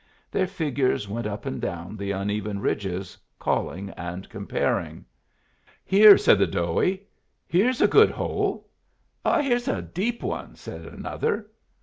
Their figures went up and down the uneven ridges, calling and comparing. "Here," said the Doughie, "here's a good hole." "Here's a deep one," said another.